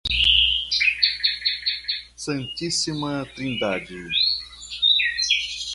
Santíssima Trindade